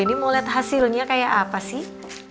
ini mau lihat hasilnya kayak apa sih